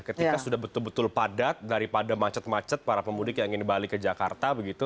ketika sudah betul betul padat daripada macet macet para pemudik yang ingin balik ke jakarta begitu